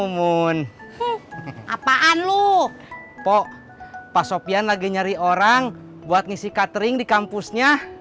mpok pak sopian lagi nyari orang buat ngisi catering di kampusnya